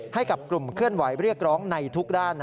ให้กับกลุ่มเคลื่อนไหวเรียกร้องในทุกด้าน